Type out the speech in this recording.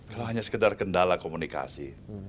kalau hanya sekedar kendala komunikasi